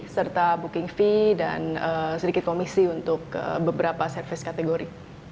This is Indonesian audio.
serta booking fee dan sedikit komisi untuk beberapa service kategori